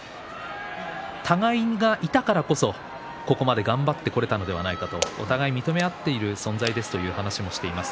互いがいたからこそここまで頑張ってこれたのではないかとお互いに認め合っている存在ですという話もしています。